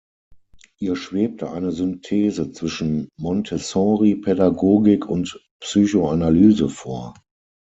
Ihr schwebte eine Synthese zwischen Montessori-Pädagogik und Psychoanalyse vor.